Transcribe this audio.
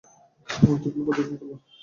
মূর্তিগুলো পর্যবেক্ষণ করল নিসান।